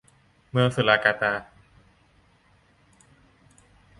เมืองสุราการ์ตา